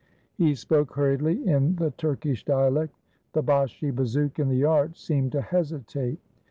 He spoke hurriedly, in the Turkish dialect. The Bashi bazouk in the yard seemed to hesitate.